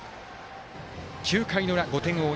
９回の裏、５点を追う